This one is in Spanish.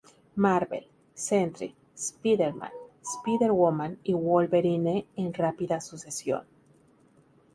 Marvel, Sentry, Spider-Man, Spider-Woman y Wolverine, en rápida sucesión.